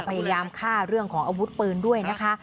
พยายามฆ่าเรื่องของอาวุธปืนด้วยนะคะ